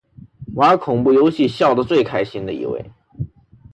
玩恐怖游戏笑得最开心的一位